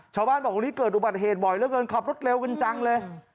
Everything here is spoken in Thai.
ชาวบ้านบอกนี่เกิดอุบัติเหตุบ่อยเหลือเกินขับรถเร็วกันจังเลย